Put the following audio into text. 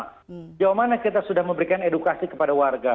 sejauh mana kita sudah memberikan edukasi kepada warga